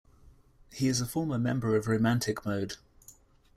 He is a former member of Romantic Mode.